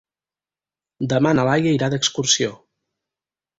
Demà na Laia irà d'excursió.